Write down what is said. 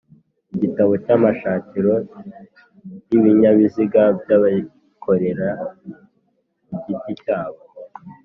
igitabo cy'amashakiro y'ibinyabiziga by'abikorera ku giti cyabo